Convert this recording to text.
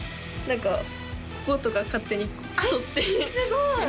何かこことか勝手に取ってすごい！